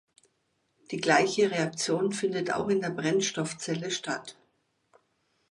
Die gleiche Reaktion findet auch in der Brennstoffzelle statt.